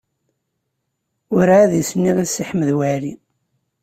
Ur ɛad i s-nniɣ i Si Ḥmed Waɛli.